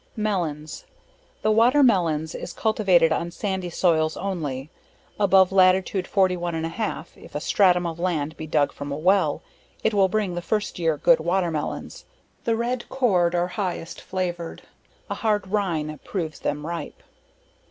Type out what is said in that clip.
Melons The Water Melons is cultivated on sandy soils only, above latitude 41 1/2, if a stratum of land be dug from a well, it will bring the first year good Water Melons; the red cored are highest flavored; a hard rine proves them ripe.